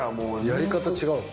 やり方違うの？